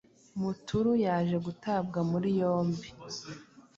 Mutulu yaje gutabwa muri yombi